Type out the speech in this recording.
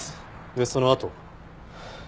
でそのあとは？